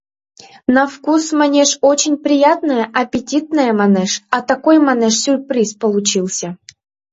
На вкус, манеш, очень приятное, аппетитное, манеш, а такой, манеш, сюрприз получился...